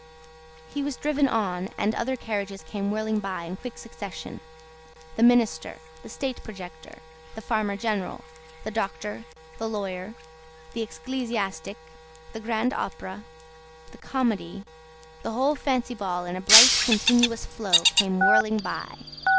He was driven on, and other carriages came whirling by in quick succession; the Minister, the State Projector, the Farmer General, the Doctor, the Lawyer, the Ecclesiastic, the Grand Opera, the Comedy, the whole Fancy Ball in a bright continuous flow, came whirling by.